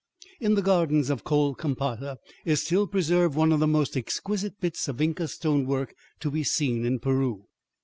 In the gardens of Colcampata is still preserved one of the most exquisite bits of Inca stonework to be seen in Peru.